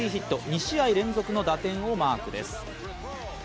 ２試合連続の打点をマークです。